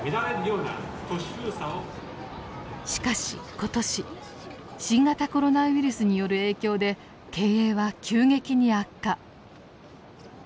しかし今年新型コロナウイルスによる影響で経営は急激に悪化。